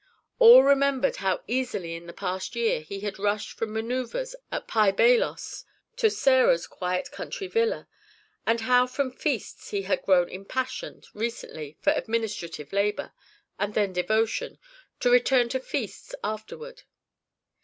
All remembered how easily in the past year he had rushed from manœuvres at Pi Bailos to Sarah's quiet country villa, and how from feasts he had grown impassioned, recently, for administrative labor, and then devotion, to return to feasts afterward.